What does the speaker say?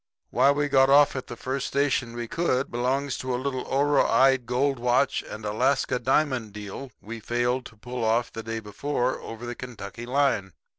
Why we got off at the first station we could, belongs to a little oroide gold watch and Alaska diamond deal we failed to pull off the day before, over the Kentucky line.